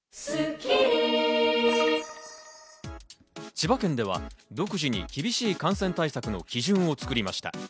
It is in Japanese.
千葉県では独自に厳しい感染対策の基準を作りました。